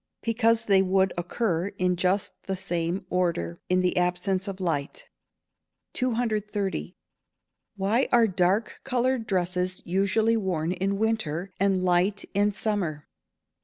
_ Because they would occur, in just the same order, in the absence of light. 230. _Why are dark coloured dresses usually worn in winter, and light in summer?